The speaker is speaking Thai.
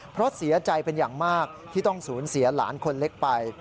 เพราะเสียใจเป็นอย่างมากที่ต้องสูญเสียหลานคนเล็กไป